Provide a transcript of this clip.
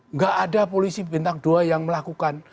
nggak ada polisi bintang dua yang melakukan